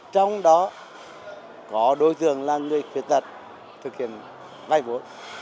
trong đó có đối tượng là người khuyết tật thực hiện vay vốn